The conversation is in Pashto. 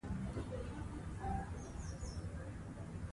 فرهنګ د نورو فرهنګونو سره په اړیکه کي بدلېږي.